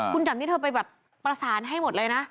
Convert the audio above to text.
คุณจำนี่เธอไปแบบประสานให้หมดเลยนะ